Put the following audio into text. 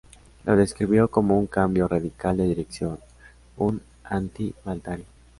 Lo describió como un cambio radical de dirección, "un anti-Valtari".